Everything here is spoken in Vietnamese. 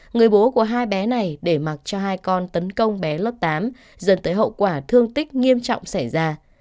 người bố của hai bé này để mặc cho hai con tấn công bé lớp tám dần tới hậu quả thương tích nghiêm trọng xảy ra